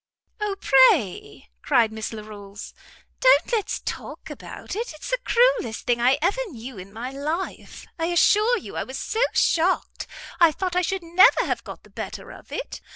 "O pray," cried Miss Larolles, "don't let's talk about it, it's the cruellest thing I ever knew in my life. I assure you I was so shocked, I thought I should never have got the better of it.